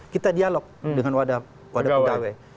kita dialog dengan wadah pegawai